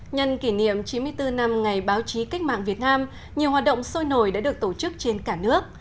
nhân kỷ niệm chín mươi bốn năm ngày báo chí cách mạng việt nam nhiều hoạt động sôi nổi đã được tổ chức trên cả nước